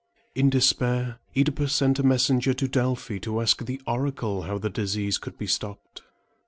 In despair, OEdipus sent a messenger to Delphi to ask the oracle how the disease could be stopped.